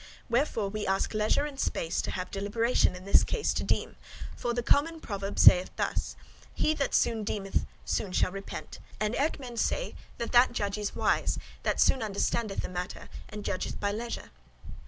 Wherefore we ask leisure and space to have deliberation in this case to deem; for the common proverb saith thus; 'He that soon deemeth soon shall repent.' And eke men say, that that judge is wise, that soon understandeth a matter, and judgeth by leisure.